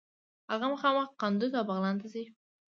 هغه مخامخ قندوز او بغلان ته ځي.